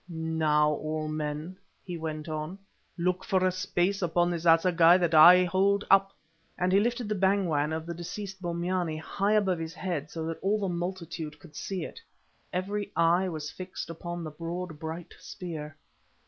"Now all men," he went on, "look for a space upon this assegai that I hold up," and he lifted the bangwan of the deceased Bombyane high above his head so that all the multitude could see it. Every eye was fixed upon the broad bright spear.